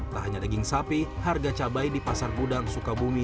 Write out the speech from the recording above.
tak hanya daging sapi harga cabai di pasar gudang sukabumi